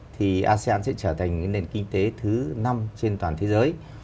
thì asean sẽ trở thành nền kinh tế thứ năm trên toàn thế giới